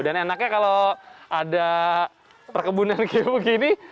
dan enaknya kalau ada perkebunan kayak begini